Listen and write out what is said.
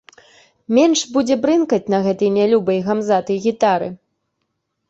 Менш будзе брынкаць на гэтай нялюбай гамзатай гітары.